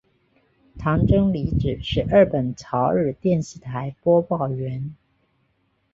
堂真理子是日本朝日电视台播报员。